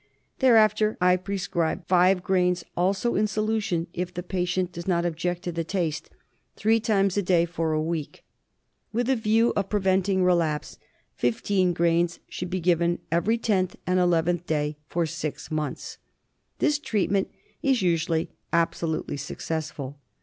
There after I prescribe five grains (also in solution if the patient ' ^es not object to the taste) three times a day for a week. MALARIA. 197 With a view of preventing relapse, fifteen grains should be given every tenth and eleventh day for six months. This treatment is usually absolutely successful.